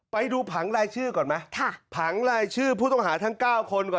ไปดูผังรายชื่อก่อนไหมผังรายชื่อผู้ต้องหาทั้ง๙คนก่อน